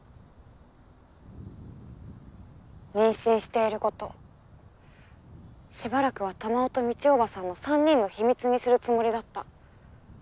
妊娠していることしばらくは珠緒と美智叔母さんの三人の秘密にするつもりだった。